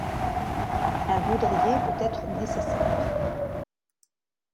Un baudrier peut être nécessaire.